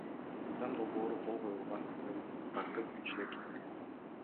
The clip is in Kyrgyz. Мыйзам долбоору кол коюлган күндөн тартып күчүнө кирди.